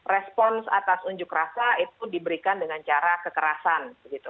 respons atas unjuk rasa itu diberikan dengan cara kekerasan